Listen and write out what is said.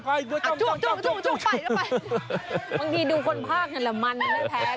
บางทีดูคนภาคนั้นแหละมันไม่แพ้